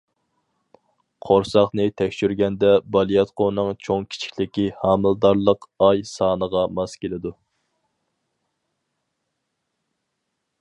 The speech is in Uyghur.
قورساقنى تەكشۈرگەندە بالىياتقۇنىڭ چوڭ-كىچىكلىكى ھامىلىدارلىق ئاي سانىغا ماس كېلىدۇ.